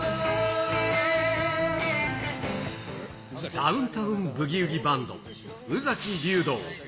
ダウン・タウン・ブギウギ・バンド、宇崎竜童。